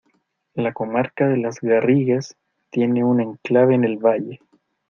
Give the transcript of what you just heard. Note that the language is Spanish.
La comarca de las Garrigues tiene un enclave en el Valle.